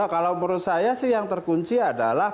kalau menurut saya sih yang terkunci adalah